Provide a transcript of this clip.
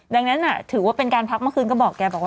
ดังนั้นถือว่าเป็นการพักเมื่อคืนก็บอกแกบอกว่า